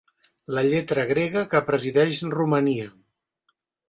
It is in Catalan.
La lletra grega que presideix Romania.